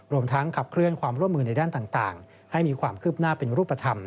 ทั้งขับเคลื่อนความร่วมมือในด้านต่างให้มีความคืบหน้าเป็นรูปธรรม